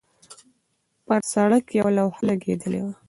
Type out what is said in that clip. پر سړک یوه لوحه لګېدلې وه.